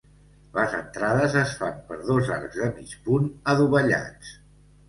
Les entrades es fan per dos arcs de mig punt adovellats.